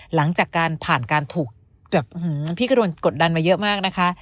หลังจากการผ่านการถูกแบบพี่ก็โดนกดดันมาเยอะมากนะคะ